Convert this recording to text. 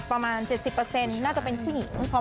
ประมาณ๗๐น่าจะเป็นผู้หญิง